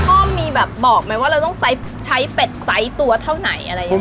พ่อมีแบบบอกไหมว่าเราต้องใช้เป็ดไซส์ตัวเท่าไหนอะไรอย่างนี้